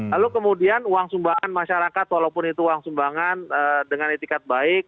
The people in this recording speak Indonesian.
lalu kemudian uang sumbangan masyarakat walaupun itu uang sumbangan dengan etikat baik